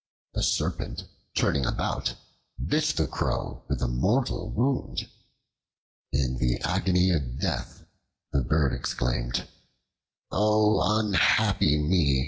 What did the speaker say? The Serpent, turning about, bit the Crow with a mortal wound. In the agony of death, the bird exclaimed: "O unhappy me!